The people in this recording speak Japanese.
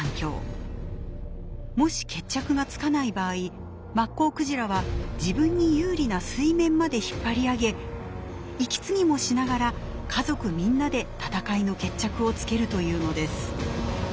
もし決着がつかない場合マッコウクジラは自分に有利な水面まで引っ張り上げ息継ぎもしながら家族みんなで闘いの決着をつけるというのです。